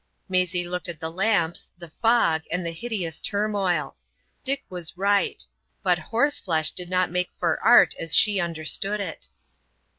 Maisie looked at the lamps, the fog, and the hideous turmoil. Dick was right; but horseflesh did not make for Art as she understood it.